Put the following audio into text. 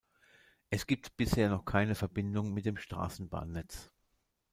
Es gibt bisher noch keine Verbindung mit dem Straßenbahnnetz.